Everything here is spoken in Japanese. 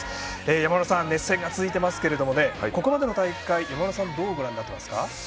山村さん、熱戦が続いていますがここまでの大会どうご覧になっていますか？